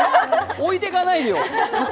置いてかないでよ。